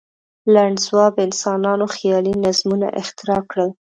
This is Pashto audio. لنډ ځواب: انسانانو خیالي نظمونه اختراع کړل.